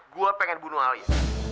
gue pengen bunuh alia